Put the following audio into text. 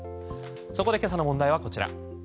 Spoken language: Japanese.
そこで今朝の問題はこちら。